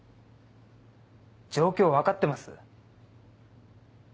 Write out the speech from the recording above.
状況分かってます？